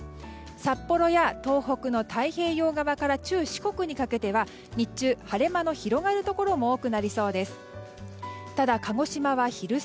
札幌や東北の太平洋側から中四国にかけては日中、晴れ間の広がるところも多くなりそうです。